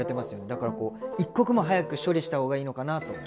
だからこう一刻も早く処理した方がいいのかなと。